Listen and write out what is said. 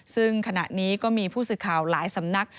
ซึ่งขณะนี้ก็มีผู้สื่อข่าวหลายสำนัก